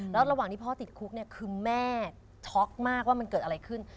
แล้วระหว่างที่พ่อติดคุกเนี่ยคือแม่ช็อกมากว่ามันเกิดอะไรขึ้น